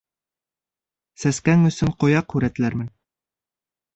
Сәскәң өсөн ҡояҡ һүрәтләрмен...